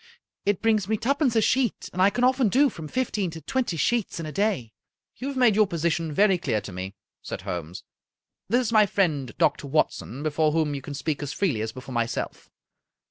It brings me twopence a sheet, and I can often do from fifteen to twenty sheets in a day." "You have made your position very clear to me," said Holmes. " This is my friend, Doctor Watson, before whom you can speak as freely as before myself.